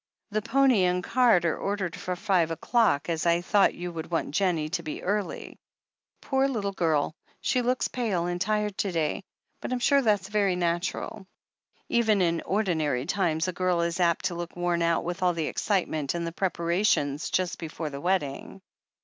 The pony and cart are ordered for five o'clock, as I thought you would want Jennie to be early. Poor little girl, she looks pale and tired to day, but Fm sure that's very natural. Even in ordinary times a girl is apt to look worn out witfi all the excitement and the prepara tions just before the wedding.